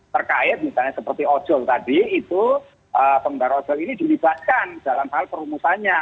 terkait misalnya seperti ojol tadi itu pengendara ojol ini dilibatkan dalam hal perumusannya